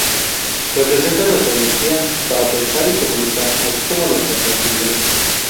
Representa nuestra energía para pensar y comunicar, así como nuestra creatividad.